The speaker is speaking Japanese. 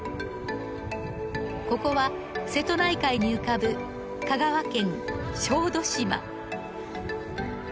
ここは瀬戸内海に浮かぶ香川県小豆島。